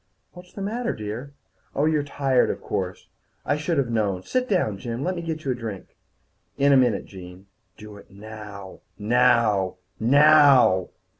"What's the matter, dear? Oh, you're tired, of course. I should have known. Sit down, Jim. Let me get you a drink." "In a minute, Jean." Do it now now NOW!